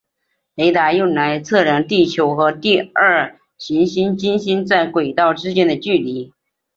雷达用来测量地球和第二颗行星金星在轨道之间的距离。